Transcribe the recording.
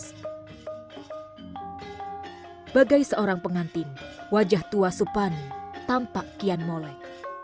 sebagai seorang pengantin wajah tua supani tampak kian molek